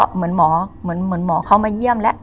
เหมือนหมอเขามาเยี่ยมแล้ว